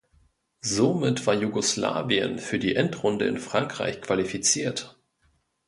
Somit war Jugoslawien für die Endrunde in Frankreich qualifiziert.